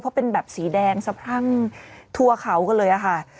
เพราะเป็นแบบสีแดงสะพรั่งทั่วเขากันเลยค่ะ